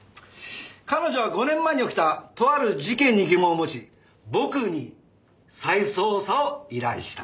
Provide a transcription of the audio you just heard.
彼女は５年前に起きたとある事件に疑問を持ち僕に再捜査を依頼した。